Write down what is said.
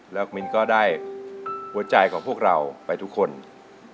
วันนี้ก็ได้ใจของพวกเราไปทุกคนในที่นี้